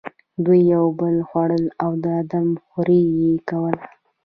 دوی یو بل خوړل او آدم خوري یې کوله.